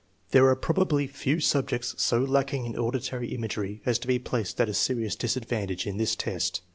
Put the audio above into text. There are probably few sub jects so lacking in auditory imagery as to be placed at a serious disadvantage in this test.